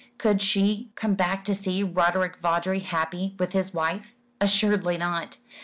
Could she come back to see Roderick Vawdrey happy with his wife? Assuredly not.